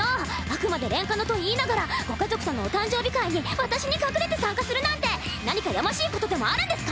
あくまでレンカノと言いながらご家族とのお誕生日会に私に隠れて参加するなんて何かやましいことでもあるんですか